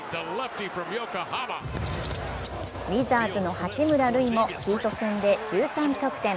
ウィザーズの八村塁もヒート戦で１３得点。